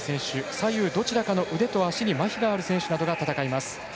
左右どちらかの足にまひのある選手などが戦います。